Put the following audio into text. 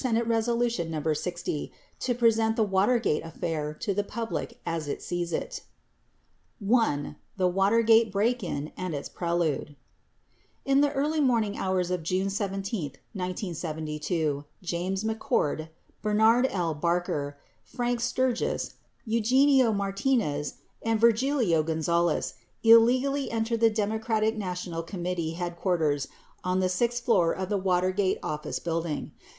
Res. 60 to present the Watergate affair to the public as it sees it. I. THE WATERGATE BREAK IN AND ITS PRELUDE In the early morning hours of June 17, 1972, James McCord, Bernard L. Barker, Frank Sturgis, Eugenio Martinez and Virgilio Gonzales illegally entered the Democratic National Committee head quarters on the sixth floor of the Watergate Office Building.